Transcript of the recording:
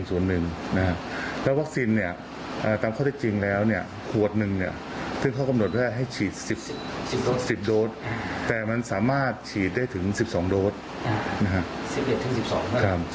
ซึ่งเขากำหนดให้ฉีด๑๐โดรสแต่มันสามารถฉีดได้ถึง๑๒โดรส